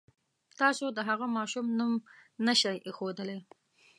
تاسو د هغه ماشوم نوم نه شئ اېښودلی.